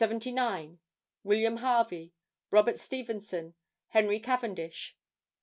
79—William Harvey; Robert Stevenson; Henry Cavendish.